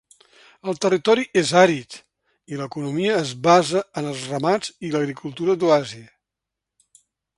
El territori és àrid i l'economia es basa en els ramats i l'agricultura d'oasi.